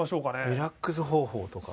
リラックス方法とか。